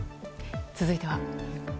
続いては。